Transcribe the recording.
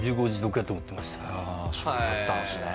そうだったんですね。